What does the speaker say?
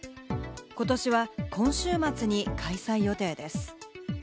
今年は今週末に開催予定です。